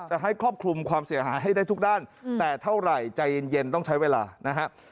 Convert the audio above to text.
ให้ครอบคลุมความเสียหายให้ได้ทุกด้านแต่เท่าไหร่ใจเย็นต้องใช้เวลานะครับ